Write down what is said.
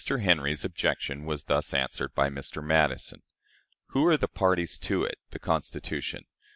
Henry's objection was thus answered by Mr. Madison: "Who are parties to it [the Constitution]?